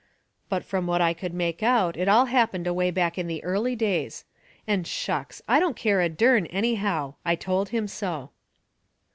But from what I could make out it all happened away back in the early days. And shucks! I didn't care a dern, anyhow. I told him so.